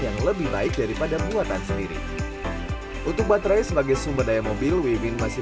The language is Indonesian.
yang lebih baik daripada muatan sendiri untuk baterai sebagai sumber daya mobil weimin masih